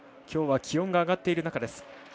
きょうは気温が上がっている中です。